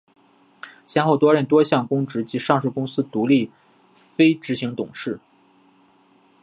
先后担任多项公职及上市公司独立非执行董事。